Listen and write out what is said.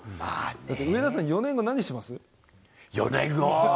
だって上田さん、４年後、何して４年後？